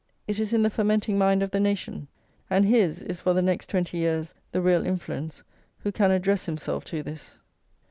It is in the fermenting mind of the nation; and his is for the next twenty years the real influence who can address himself to this.